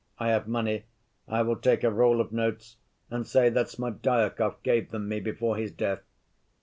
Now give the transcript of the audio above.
I have money. I will take a roll of notes and say that Smerdyakov gave them me before his death.